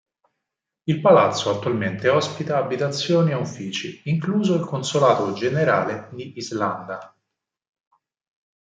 Il palazzo attualmente ospita abitazioni e uffici, incluso il consolato generale di Islanda.